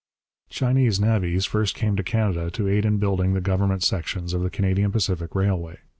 Chinese navvies first came to Canada to aid in building the government sections of the Canadian Pacific Railway.